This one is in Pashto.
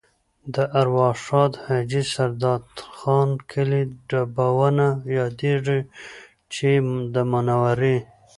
د ارواښاد حاجي سردار خان کلی ډبونه یادېږي چې د منورې